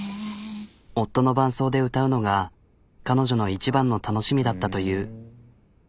夫の伴奏で歌うのが彼女の一番の楽しみだったという。